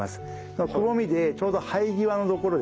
くぼみでちょうど生え際のところですね。